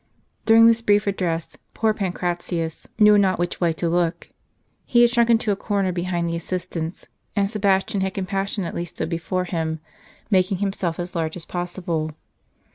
During this brief address poor Pancratius knew not which c=t St. Laurence displaying his Treasures. way to look. He had shrunk into a corner behind the assist ants, and Sebastian had compassionately stood before him, making himself as large as possible.